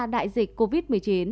đại dịch covid một mươi chín